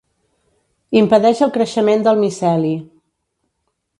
Impedeix el creixement del miceli.